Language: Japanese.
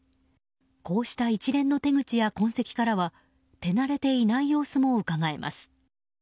こうした一連の手口や痕跡からは手慣れていない様子もうかがえます。